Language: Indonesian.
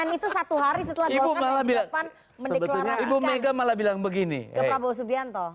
senin itu satu hari setelah gorengan dan jawaban mendeklarasikan ke prabowo subianto